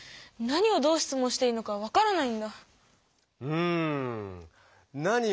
何をどう質問してよいのか分からない。